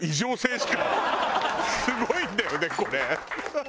すごいんだよねこれ。